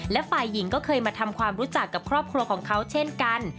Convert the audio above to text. และฝ่ายหญิงก็เคยมาทำความรู้จักกับครอบครัวของเขาเช่นกัน